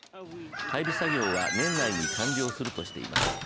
配備作業は年内に完了するとしています。